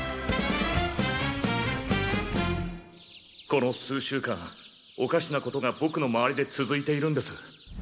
この数週間おかしなことが僕の周りで続いているんです。